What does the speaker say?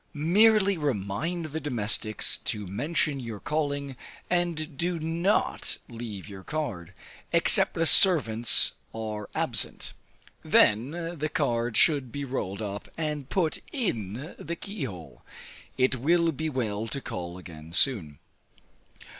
Merely remind the domestics to mention your calling, and do not leave your card, except the servants are absent; then the card should be rolled up, and put in the key hole. It will be well to call again soon.